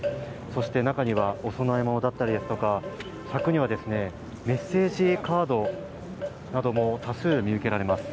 そして中にはお供え物だったりとか、柵にはメッセージカードなども多数見受けられます。